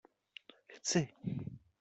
Chci!